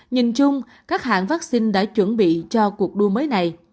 nhìn chung các hãng vaccine đã chuẩn bị cho cuộc đua mới này